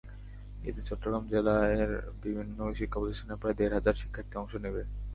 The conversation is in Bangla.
এতে চট্টগ্রাম জেলার বিভিন্ন শিক্ষাপ্রতিষ্ঠানের প্রায় দেড় হাজার শিক্ষার্থী অংশ নেবে।